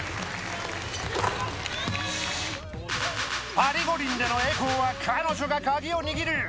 パリ五輪での栄光は彼女がカギを握る。